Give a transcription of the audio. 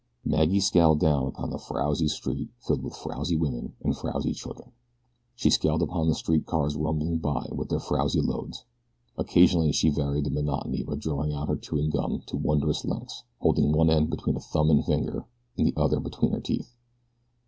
Maggie scowled down upon the frowsy street filled with frowsy women and frowsy children. She scowled upon the street cars rumbling by with their frowsy loads. Occasionally she varied the monotony by drawing out her chewing gum to wondrous lengths, holding one end between a thumb and finger and the other between her teeth.